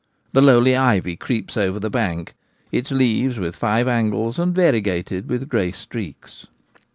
The lowly ivy creeps over the bank— its leaves with five angles, and variegated with grey streaks.